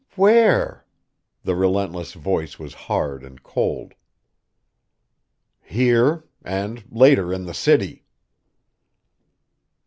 "Where?" The relentless voice was hard and cold. "Here, and later in the city!"